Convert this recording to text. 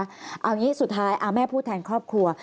เอาอย่างนี้สุดท้ายแม่พูดแทนครอบครัว